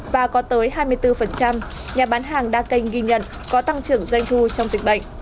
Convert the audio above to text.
và có tới hai mươi bốn nhà bán hàng đa kênh ghi nhận có tăng trưởng doanh thu trong dịch bệnh